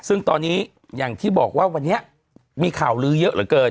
ซึ่งตอนนี้อย่างที่บอกว่าวันนี้มีข่าวลื้อเยอะเหลือเกิน